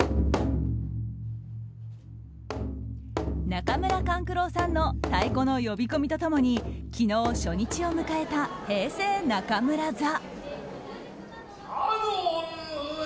中村勘九郎さんの太鼓の呼び込みと共に昨日、初日を迎えた「平成中村座」。